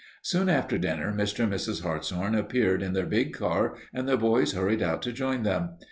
Soon after dinner Mr. and Mrs. Hartshorn appeared in their big car and the boys hurried out to join them.